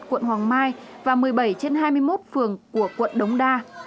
quận hoàng mai và một mươi bảy trên hai mươi một phường của quận đống đa